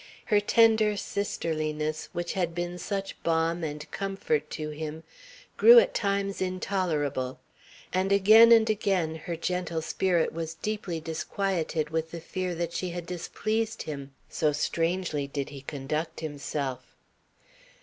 Her tender sisterliness, which had been such balm and comfort to him, grew at times intolerable; and again and again her gentle spirit was deeply disquieted with the fear that she had displeased him, so strangely did he conduct himself.